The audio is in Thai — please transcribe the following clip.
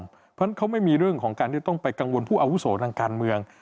เพราะฉะนั้นเขาไม่มีเรื่องของการที่ต้องไปกังวลผู้อาวุโสทางการเมือง